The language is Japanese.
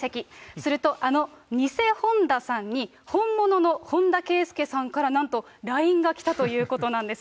すると、あの偽本田さんに本物の本田圭佑さんからなんとＬＩＮＥが来たということなんです。